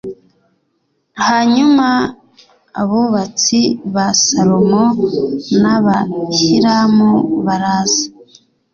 hanyuma abubatsi ba salomo n aba hiramu baraza